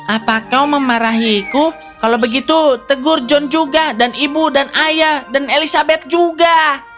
apa kau memarahiku kalau begitu tegur john juga dan ibu dan ayah dan elizabeth juga